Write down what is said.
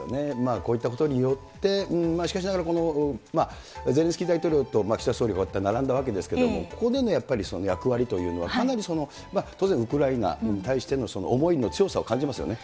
こういったことによって、しかしながら、ゼレンスキー大統領と岸田総理、こうやって並んだわけですけれども、ここでのやっぱり役割というのは、かなり当然ウクライナに対しての思いの強さを感じますよね。